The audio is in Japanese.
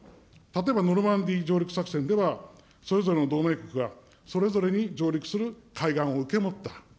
例えばノルマンディー上陸作戦では、それぞれの同盟国がそれぞれに上陸する海岸を受け持った。